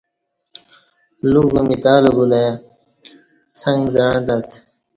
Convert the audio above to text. لوکہ می تہ الہ بولای څݣ زعں تت